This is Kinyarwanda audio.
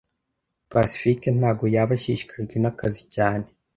Pacifique ntago yaba ashishikajwe nakazi cyane